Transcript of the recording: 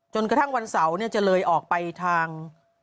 จนกระทั่งวันเสาร์จะเลยออกไปทาง